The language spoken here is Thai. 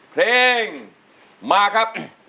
เพลงมาครับ